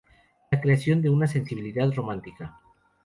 La creación de una sensibilidad romántica".